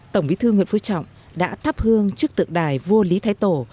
tổng bí thư nguyễn phú trọng đã thắp hương trước tượng đài vua lý thái tổ